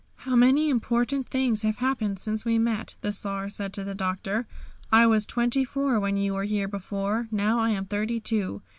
"How many important things have happened since we met," the Czar said to the Doctor; "I was twenty four when you were here before, now I am thirty two.